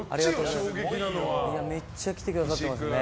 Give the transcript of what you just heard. めっちゃ来てくださっていますね。